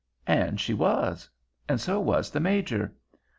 And she was. And so was the Major.